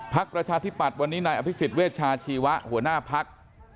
ภาคประชาธิบัติวันนี้ในอภิกษิศเวชาชีวะหัวหน้าภาค